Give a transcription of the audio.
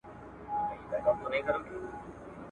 هغه ټولنه چي کتاب ته ارزښت ورکوي تل پرمختګ کوي او بريالۍ کيږي ,